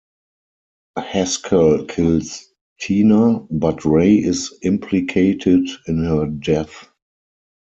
Haskell kills Tina, but Ray is implicated in her death.